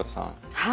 はい。